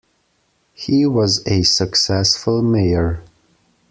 He was a successful mayor.